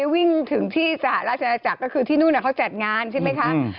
วิ่งถึงที่สหราชนาจักรก็คือที่นู่นเขาจัดงานใช่ไหมคะ